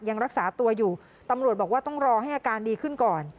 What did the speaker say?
ยังรักษาตัวอยู่ตำรวจบอกว่าต้องรอให้อาการดีขึ้นก่อน